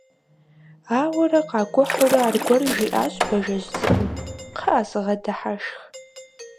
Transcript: Ауэрэ къакӀухьурэ аргуэру жиӀащ Бажэжь цӀыкӀум: «КхъыӀэ, сыгъэдыхьэшх».